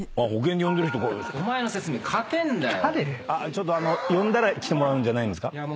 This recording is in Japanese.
ちょっとあの呼んだら来てもらうんじゃないんですか？